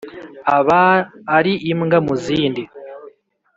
Aba ali imbwa mu zindi